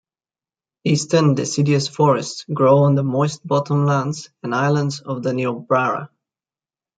Eastern deciduous forests grow on the moist bottom lands and islands of the Niobrara.